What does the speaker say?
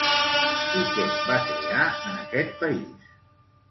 I què va crear en aquests país?